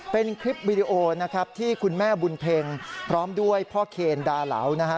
เป็นคลิปวีดีโอนะครับที่คุณแม่บุญเพ็งพร้อมด้วยพ่อเคนดาเหลานะฮะ